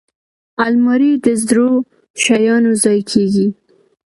الماري د زړو شیانو ځای کېږي